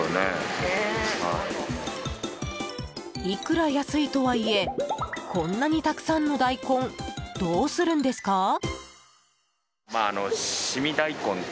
いくら安いとはいえこんなにたくさんの大根どうするんですか？